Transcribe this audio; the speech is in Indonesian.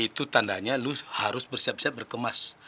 itu tandanya lu harus bersiap siap berkemas